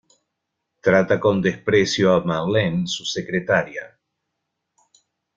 Trata con desprecio a Marlene, su secretaria.